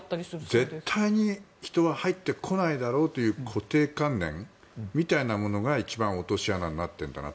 絶対に人は入ってこないだろうという固定観念みたいなものが一番落とし穴になっているかなと。